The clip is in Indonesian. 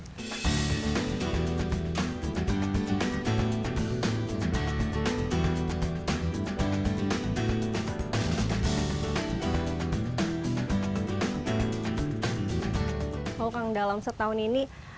kalau kang dalam setahun ini